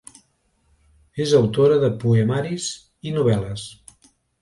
És autora de poemaris i novel·les.